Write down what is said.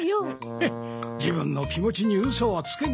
フッ自分の気持ちにウソはつけんな。